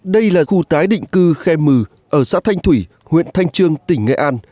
đây là khu tái định cư khe mừ ở xã thanh thủy huyện thanh trương tỉnh nghệ an